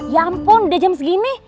ya ampun udah jam segini